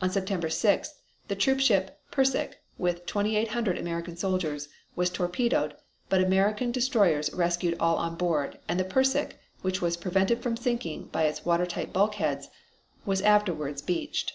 On September 6th the troopship Persic with 2,800 American soldiers was torpedoed but American destroyers rescued all on board, and the Persic, which was prevented from sinking by its water tight bulkheads, was afterwards beached.